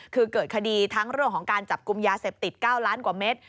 คือเกิดคดีทั้งเรื่องของการจับกลุ่มยาเสพติด๙ล้านกว่าเม็ด